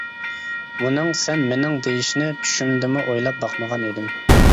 ئۇنىڭ «سەن مېنىڭ! » دېيىشىنى چۈشۈمدىمۇ ئويلاپ باقمىغان ئىدىم.